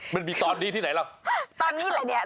มันมีตอนดีที่ไหนแล้ว